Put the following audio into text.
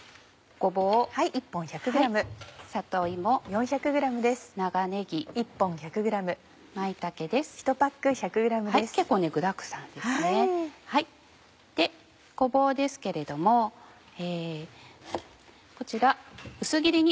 ごぼうですけれどもこちら薄切りに。